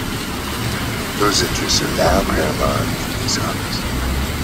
Those interests are now paramount in this office.